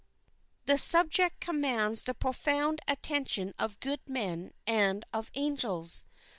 The subject commands the profound attention of good men and of angels.